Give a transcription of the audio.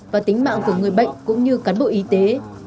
và tính mạng của người bệnh cũng như cán bộ y tế